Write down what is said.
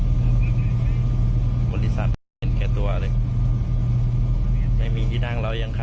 สุดยอดบริษัททัวร์นี้ไม่ได้ชมนะคะ